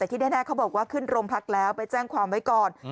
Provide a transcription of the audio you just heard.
แต่ที่แน่เขาบอกว่าขึ้นโรงพักแล้วไปแจ้งความไว้ก่อน